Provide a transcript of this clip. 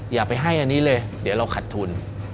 อย่าไปให้อันนี้เลยเดี๋ยวเราขัดทุน